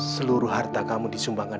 seluruh harta kamu disumbangkan